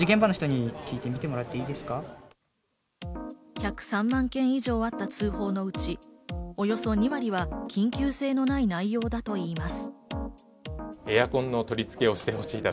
１０３万件以上あった通報のうち、およそ２割は緊急性のない内容だといいます。